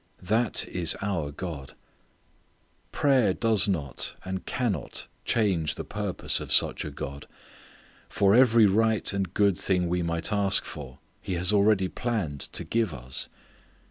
That is our God. Prayer does not and cannot change the purpose of such a God. For every right and good thing we might ask for He has already planned to give us.